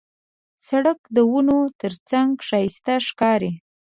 سړک د ونو ترڅنګ ښایسته ښکاري.